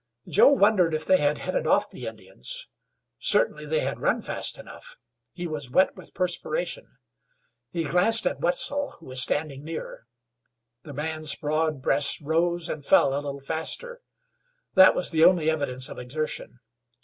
Joe wondered if they had headed off the Indians. Certainly they had run fast enough. He was wet with perspiration. He glanced at Wetzel, who was standing near. The man's broad breast rose and fell a little faster; that was the only evidence of exertion.